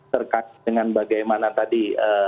terkait dengan bagaimana tadi